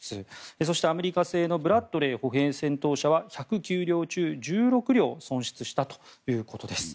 そしてアメリカ製のブラッドレー歩兵戦闘車は１０９両中１６両損失したということです。